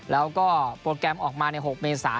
แล้วก็โปรแกรมออกมาใน๖เมษา